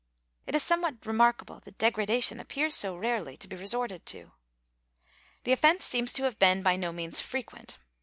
^ It is somewhat remarkable that degradation appears so rarely to be resorted to. The offence seems to have been by no means frequent.